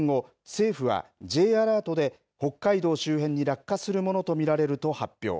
政府はＪアラートで北海道周辺に落下するものと見られると発表。